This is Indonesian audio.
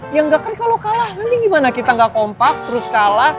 ya nggak kan kalau kalah nanti gimana kita gak kompak terus kalah